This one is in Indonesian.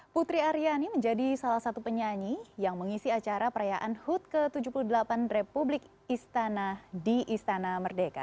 putri aryani menjadi salah satu penyanyi yang mengisi acara perayaan hut ke tujuh puluh delapan republik istana di istana merdeka